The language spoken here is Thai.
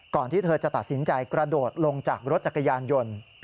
ที่เธอจะตัดสินใจกระโดดลงจากรถจักรยานยนต์